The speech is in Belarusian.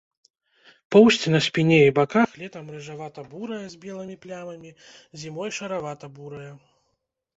Поўсць на спіне і баках летам рыжавата-бурая з белымі плямамі, зімой шаравата-бурая.